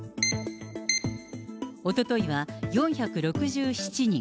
おとといは４６７人。